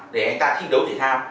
để anh ta thi đấu thể thao